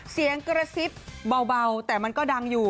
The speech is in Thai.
เสียงกระซิบเบาแต่มันก็ดังอยู่